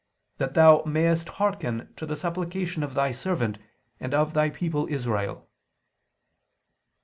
. that Thou mayest hearken to the supplication of Thy servant and of Thy people Israel."